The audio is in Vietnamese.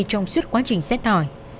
trong suốt quá trình xét hỏi